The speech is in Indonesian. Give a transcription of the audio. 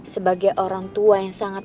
sebagai orang tua yang sangat